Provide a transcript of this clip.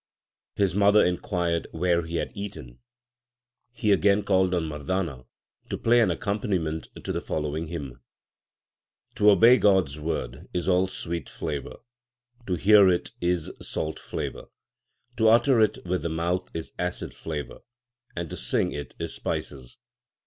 His mother inquired where he had eaten. He again called on Mardana to play an accompaniment to the following hymn : To obey God s word is all sweet flavour ; to hear it is salt flavour ; To utter it with the mouth is acid flavour, and to sing it is spices.